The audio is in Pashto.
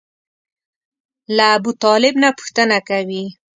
له ابوطالب نه پوښتنه کوي.